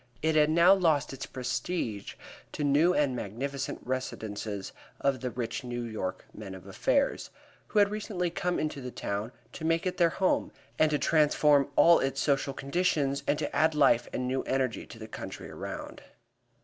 It had now lost its prestige to new and magnificent residences of the rich New York men of affairs, who had recently come into the town to make it their home and to transform all its social conditions and to add life and new energy to the country around.